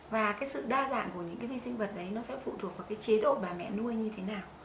và cái sự đa dạng của những cái vi sinh vật đấy nó sẽ phụ thuộc vào cái chế độ bà mẹ nuôi như thế nào